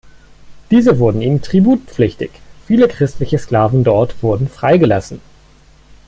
Diese wurden ihm tributpflichtig, viele christliche Sklaven dort wurden freigelassen.